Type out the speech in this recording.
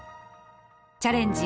「チャレンジ！